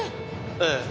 ええ。